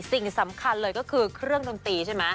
สิ่งสำคัญเลยก็คือเครื่องดนตรีใช่ไหม